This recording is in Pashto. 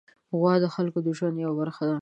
غوا د خلکو د ژوند یوه برخه ده.